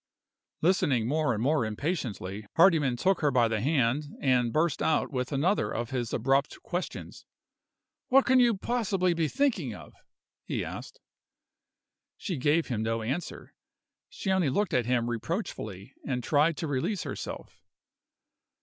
Listening more and more impatiently, Hardyman took her by the hand, and burst out with another of his abrupt questions. "What can you possibly be thinking of?" he asked. She gave him no answer; she only looked at him reproachfully, and tried to release herself.